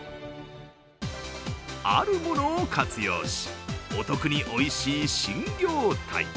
あるものを活用し、お得においしい新業態。